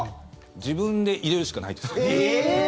自分で入れるしかないです。